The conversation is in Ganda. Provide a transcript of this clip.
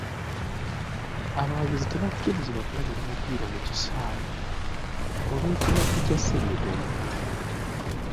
Abawagizi tebakirizibwa kulabira mupiira mu kisaawe olw'ekirwadde Kya ssenyiga omukambwe.